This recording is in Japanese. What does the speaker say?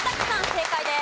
正解です。